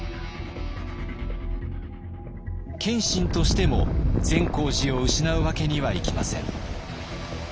謙信としても善光寺を失うわけにはいきません。